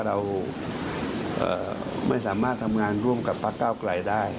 เราไม่สามารถทำงานร่วมกับพักเก้าไกลได้